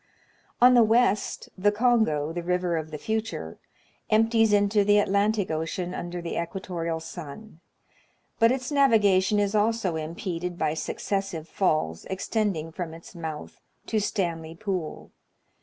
On the west, the Kongo, the river of the future, empties into the Atlantic Ocean under the equatorial sun ; but its navigation is also impeded by successive falls extending from its mouth to Stanlev Pool.